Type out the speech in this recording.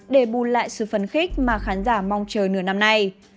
để bùn lại sự phấn khích mà khán giả mong chờ nửa năm nay